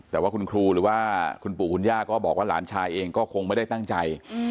แต่ว่าคุณครูหรือว่าคุณปู่คุณย่าก็บอกว่าหลานชายเองก็คงไม่ได้ตั้งใจ